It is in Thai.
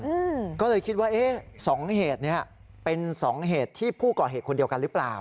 อืมก็เลยคิดว่าเอ๊ะสองเหตุเนี้ยเป็นสองเหตุที่ผู้ก่อเหตุคนเดียวกันหรือเปล่า